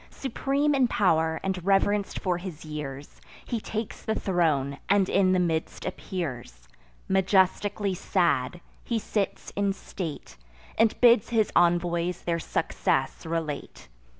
Supreme in pow'r, and reverenc'd for his years, He takes the throne, and in the midst appears. Majestically sad, he sits in state, And bids his envoys their success relate.